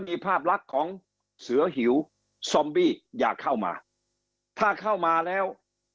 มีภาพลักษณ์ของเสือหิวซอมบี้อยากเข้ามาถ้าเข้ามาแล้ว